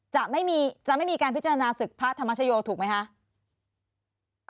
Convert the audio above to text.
จะไม่มีการพิจารณาศึกพระธรรมชโยถูกไหมคะ